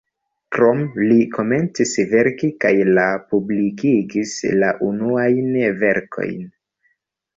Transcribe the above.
Krome li komencis verki kaj la publikigis la unuajn verkojn.